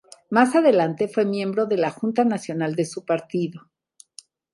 Más adelante, fue miembro de la Junta Nacional de su partido.